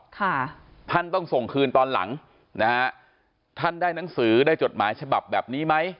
ท่านต้องส่งคืนตอนหลังนะฮะท่านได้หนังสือได้จดหมายฉบับแบบนี้ไหม